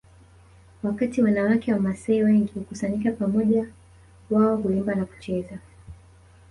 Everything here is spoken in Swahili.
Wakati wanawake wamasai wengi hukusanyika pamoja wao huimba na kucheza